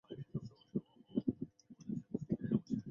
天山柴胡为伞形科柴胡属的植物。